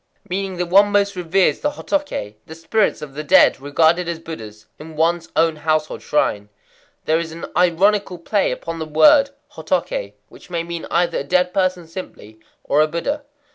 Meaning that one most reveres the hotoké—the spirits of the dead regarded as Buddhas—in one's own household shrine. There is an ironical play upon the word hotoké, which may mean either a dead person simply, or a Buddha.